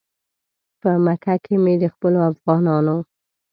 په مکه کې مې د خپلو افغانانو.